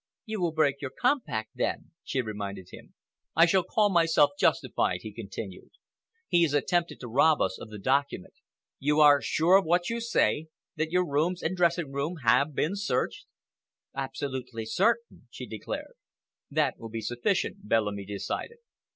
"You will break your compact then," she reminded him. "I shall call myself justified," he continued. "He has attempted to rob us of the document. You are sure of what you say—that your rooms and dressing room have been searched?" "Absolutely certain," she declared. "That will be sufficient," Bellamy decided.